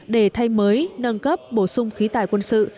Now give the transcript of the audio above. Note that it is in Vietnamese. để thay mới nâng cấp bổ sung khí tài quân sự